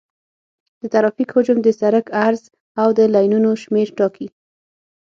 د ترافیک حجم د سرک عرض او د لینونو شمېر ټاکي